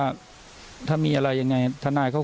ลุงพลบอกว่าอันนี้ก็ไม่เกี่ยวข้องกันเพราะจะให้มันจบกันไป